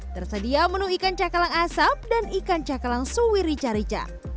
tersedia menu ikan cakalang asap dan ikan cakalang suwir rica rica